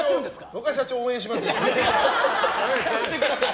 僕は社長を応援しますよ。